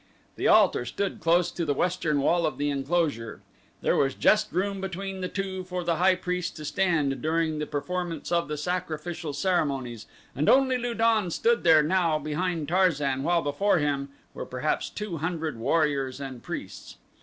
The altar stood close to the western wall of the enclosure. There was just room between the two for the high priest to stand during the performance of the sacrificial ceremonies and only Lu don stood there now behind Tarzan, while before him were perhaps two hundred warriors and priests.